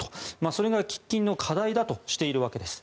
それが喫緊の課題だとしているわけです。